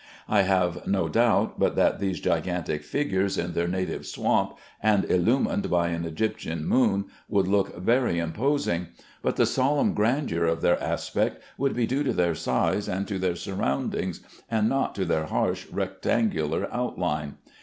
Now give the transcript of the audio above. I have no doubt but that these gigantic figures in their native swamp, and illumined by an Egyptian moon, would look very imposing, but the solemn grandeur of their aspect would be due to their size and to their surroundings, and not to their harsh rectangular outline.